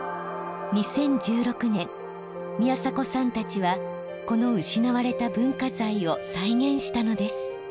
２０１６年宮廻さんたちはこの失われた文化財を再現したのです。